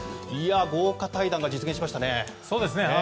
豪華対談が実現しましたね。